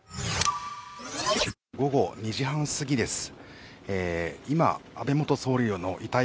午後２時半すぎです。